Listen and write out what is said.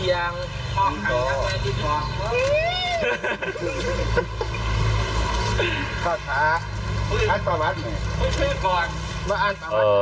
อ๋อนี่คืองานศพ